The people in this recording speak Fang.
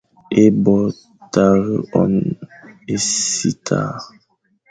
E bo tare on ésitar.